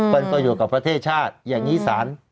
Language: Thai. เป็นประโยชน์กับประเทศชาติอย่างนี้สาร